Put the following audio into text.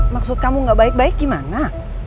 maksud kamu gak baik baik gimana